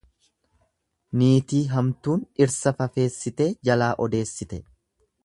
Niitii hamtuun dhirsa fafeessitee jalaa odeessite.